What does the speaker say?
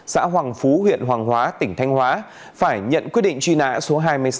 xã hoàng phú huyện hoàng hóa tỉnh thanh hóa phải nhận quyết định truy nã số hai mươi sáu